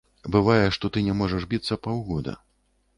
Бывае, што ты не можаш біцца паўгода.